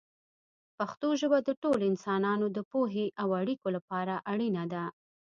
پښتو ژبه د ټولو انسانانو د پوهې او اړیکو لپاره اړینه ده.